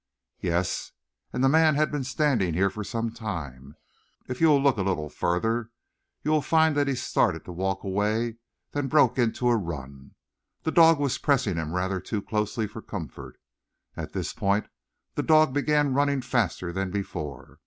"Yes, and the man had been standing here for some time. If you will look a little farther you will find that he started to walk away, then broke into a run. The dog was pressing him rather too closely for comfort. At this point the dog began running faster than before.